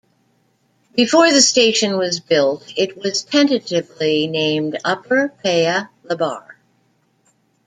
Before the station was built, it was tentatively named Upper Paya Lebar.